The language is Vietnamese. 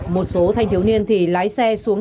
một số thanh thiếu niên thì lái xe xuống